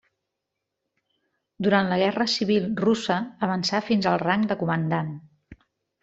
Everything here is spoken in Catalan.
Durant la Guerra Civil Russa avançà fins al rang de comandant.